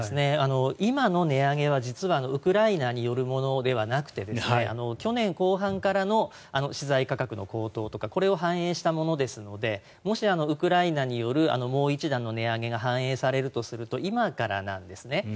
今の値上げは、実はウクライナによるものではなくて去年後半からの資材価格の高騰とかこれを反映したものですのでもし、ウクライナによるもう一段の値上げが反映されるとすると今からなんですね。